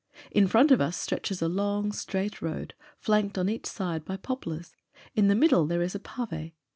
In front of us stretches a long, straight road, flanked on each side by poplars. In the middle there is pave.